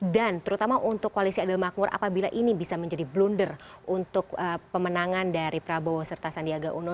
dan terutama untuk koalisi adil makmur apabila ini bisa menjadi blunder untuk pemenangan dari prabowo serta sandiaga uno